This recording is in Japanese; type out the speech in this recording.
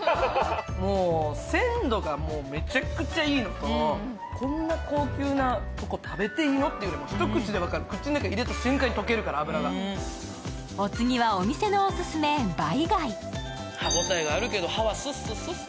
もう鮮度がめちゃくちゃいいのとこんな高級なとこ食べていいの？っていうのが一口で分かる口の中入れた瞬間にとけるから脂がお次はお店のオススメ梅貝歯応えがあるけど歯はスッススッス